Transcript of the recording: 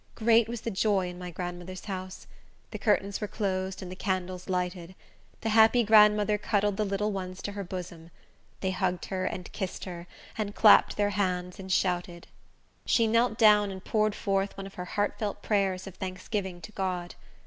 Great was the joy in my grandmother's house! The curtains were closed, and the candles lighted. The happy grandmother cuddled the little ones to her bosom. They hugged her, and kissed her, and clapped their hands, and shouted. She knelt down and poured forth one of her heartfelt prayers of thanksgiving to God.